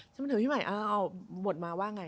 แล้วพี่ใหม่เอ้าหมดมาว่าไง